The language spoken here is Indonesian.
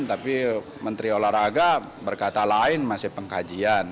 tapi menteri olahraga berkata lain masih pengkajian